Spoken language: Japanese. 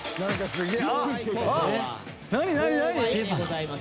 すげえ！